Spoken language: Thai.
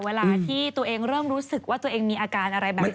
เวลาที่ตัวเองเริ่มรู้สึกว่าตัวเองมีอาการอะไรแบบนี้